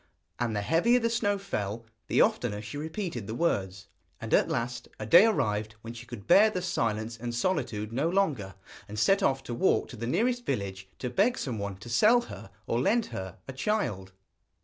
And the heavier the snow fell the oftener she repeated the words. And at last a day arrived when she could bear the silence and solitude no longer, and set off to walk to the nearest village to beg someone to sell her or lend her a child.